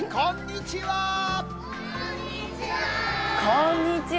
こんにちは。